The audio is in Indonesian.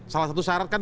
salah satu syarat kan